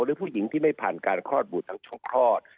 หรือผู้หญิงที่ไม่ผ่านการคลอดบุตรทั้งช่องคลอด